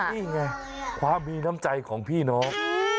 นี่ไงความมีน้ำใจของพี่น้อง